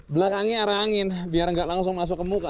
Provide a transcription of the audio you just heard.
belakangnya arah angin biar nggak langsung masuk ke muka